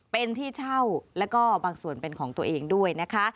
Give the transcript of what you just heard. เป็นที่เช่าแล้วก็บางส่วนเป็นของตัวเองด้วยนะคะ